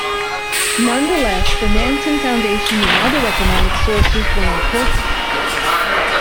Nonetheless, the Nansen Foundation and other economic sources were important.